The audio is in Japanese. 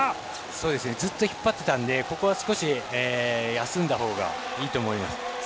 ずっと引っ張っていたんでここは少し休んだほうがいいと思います。